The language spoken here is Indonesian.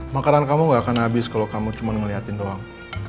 makanan kamu gak akan habis kalau kamu cuma ngeliatin doang